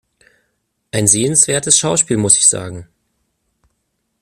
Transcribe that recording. Ein sehenswertes Schauspiel, muss ich sagen.